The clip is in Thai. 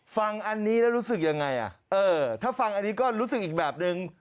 ฟังอันนี้แล้วรู้สึกยังไงอ่ะเออถ้าฟังอันนี้ก็รู้สึกอีกแบบนึง